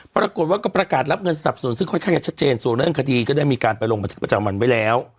ปรากฏว่าก็ประกาศรับเงินสับสนซึ่งค่อนข้างจะชัดเจนส่วนเรื่องคดีก็ได้มีการไปลงบันทึกประจำวันไว้แล้ว